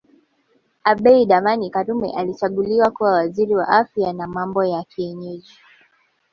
Abeid Amani Karume alichaguliwa kuwa Waziri wa Afya na Mambo ya Kienyeji